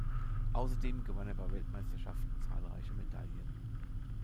Außerdem gewann er bei Weltmeisterschaften zahlreiche Medaillen.